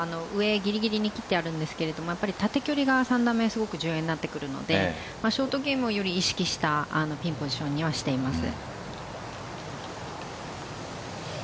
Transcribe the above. ２段グリーンの上、ぎりぎりに切ってあるんですけど縦距離が３段目すごい重要になってくるのでショットを意識したピンポジションにしています。